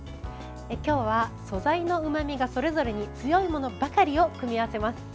今日は、素材のうまみがそれぞれに強いものばかりを組み合わせます。